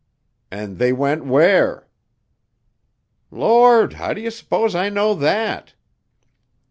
"And they went where?" "Lord, now how d' ye suppose I know that?"